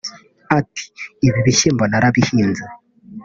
Ati"Ibi bishyimbo narabihinze